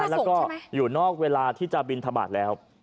แล้วก็อยู่นอกเวลาที่จะบินทบาทแล้ว